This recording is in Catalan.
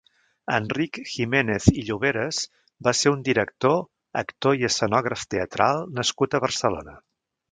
Enric Giménez i Lloberas va ser un director, actor i escenògraf teatral nascut a Barcelona.